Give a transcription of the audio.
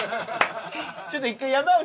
ちょっと１回山内